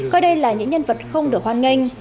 coi đây là những nhân vật không được hoan nghênh